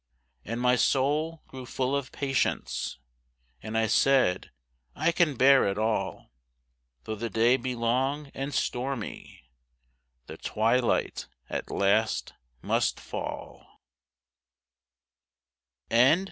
And my soul grew full of patience, And I said, 'I can bear it all, Though the day be long and stormy, The twilight at last must fall.'